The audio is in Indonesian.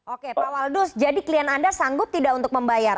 oke pak waldus jadi klien anda sanggup tidak untuk membayar